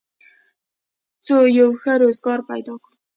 څو یو ښه روزګار پیدا کړو